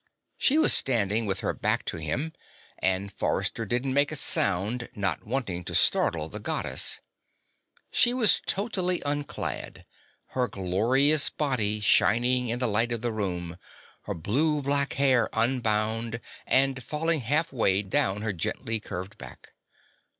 She was standing with her back to him, and Forrester didn't make a sound, not wanting to startle the Goddess. She was totally unclad, her glorious body shining in the light of the room, her blue black hair unbound and falling halfway down her gently curved back.